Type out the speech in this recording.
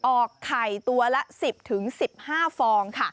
ออกไข่ตัวละ๑๐๑๕ฟองค่ะ